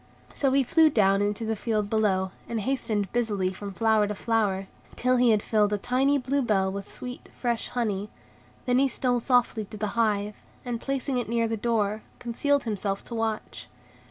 So he flew down into the field below, and hastened busily from flower to flower, till he had filled a tiny blue bell with sweet, fresh honey. Then he stole softly to the hive, and, placing it near the door, concealed himself to watch.